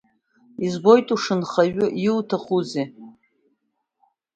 Избоит ушынхаҩу, иуҭахузеи?